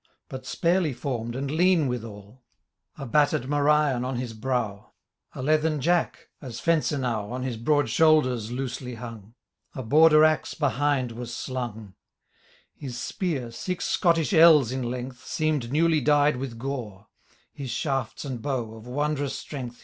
But sparely formed, and lean withal ; A battered morion on his brow ; A leathern jack, as fence enow, On his broad shoulders loosely hung ; A Border axe behind was slung ; His spear, six Scottish ells in length, Seem'd newly dyed with gore : His shafts and bow, of wondrous strength.